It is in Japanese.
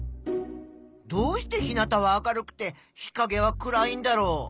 どうして日なたは明るくて日かげは暗いんだろう？